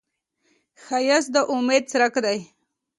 ښایست د امید څرک دی